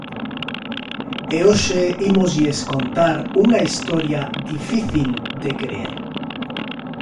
E hoxe ímoslles contar unha historia difícil de crer.